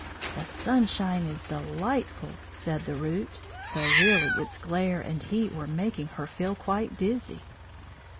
"The sunshine is delightful," said the Root, though really its glare and heat were making her feel quite dizzy.